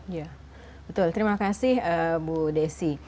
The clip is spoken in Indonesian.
ya betul terima kasih bu desi